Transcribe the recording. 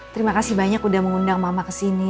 terima kasih banyak udah mengundang mama ke sini